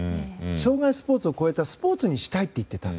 障害スポーツを超えたスポーツにしたいと言っていた。